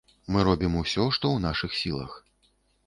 Мы робім усё, што ў нашых сілах.